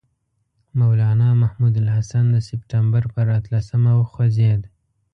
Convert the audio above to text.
مولنا محمود الحسن د سپټمبر پر اتلسمه وخوځېد.